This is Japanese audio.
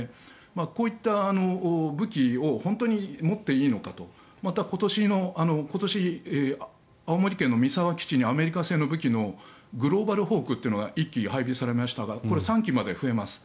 こういった武器を本当に持っていいのかとまた、今年、青森県の三沢基地にアメリカ製の武器のグローバルホークというのが１基配備されましたがこれは３基まで増えます。